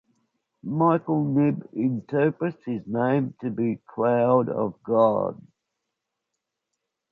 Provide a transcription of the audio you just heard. Michael Knibb interprets his name to be "cloud of god".